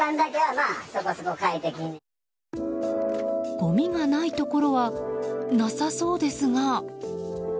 ごみがないところはなさそうですが。